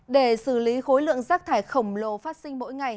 để xử lý khối lượng rác thải khổng lồ phát sinh mỗi ngày